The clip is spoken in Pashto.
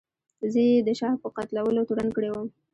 زه یې د شاه په قتلولو تورن کړی وم.